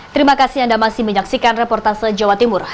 terima kasih anda masih menyaksikan reportase jawa timur